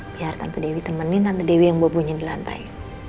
biar tante dewi temenin tante dewi yang bobo di lantai